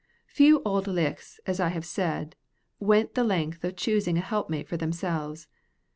Few Auld Lichts, as I have said, went the length of choosing a helpmate for themselves.